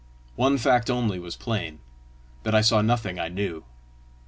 One fact only was plain that I saw nothing I knew.